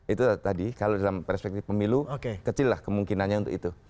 itu tadi kalau dalam perspektif pemilu kecil lah kemungkinannya untuk itu